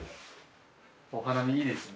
お花見いいですね。